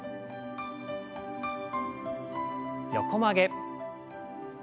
横曲げ。